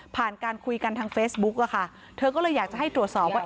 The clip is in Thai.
การคุยกันทางเฟซบุ๊กอะค่ะเธอก็เลยอยากจะให้ตรวจสอบว่า